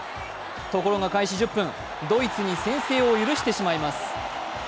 ところが開始１０分、ドイツに先制を許してしまいます。